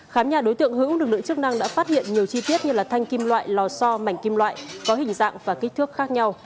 khám nhà đối tượng hữu lực lượng chức năng đã phát hiện nhiều chi tiết như thanh kim loại lò so mảnh kim loại có hình dạng và kích thước khác nhau